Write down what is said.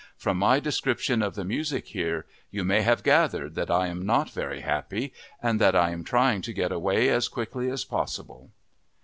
From my description of the music here you may have gathered that I am not very happy and that I am trying to get away as quickly as possible."